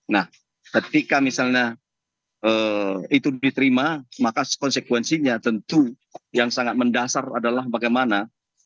nah ketika misalnya itu diterima maka konsekuensinya tentu yang sangat mendasar adalah bagaimana